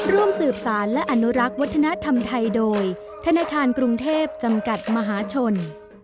ร่วมสืบสารและอนุรักษ์วัฒนธรรมไทยโดยธนาคารกรุงเทพจำกัดมหาชน